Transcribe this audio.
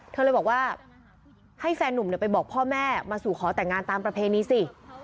เธอเลยบอกว่าให้แฟนนุ่มไปบอกพ่อแม่มาสู่ขอแต่งงานตามประเพณีสิ